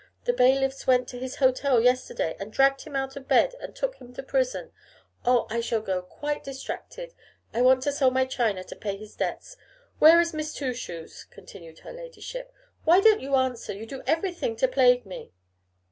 The bailiffs went to his hotel yesterday, and dragged him out of bed, and took him to prison. Oh! I shall go quite distracted. I want to sell my china to pay his debts. Where is Miss Twoshoes?' continued her ladyship; 'why don't you answer? You do everything to plague me.